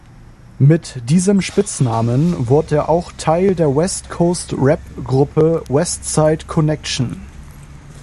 Mit diesem Spitznamen wurde er auch Teil der Westcoast-Rap-Gruppe Westside Connection.